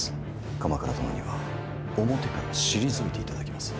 鎌倉殿には表から退いていただきます。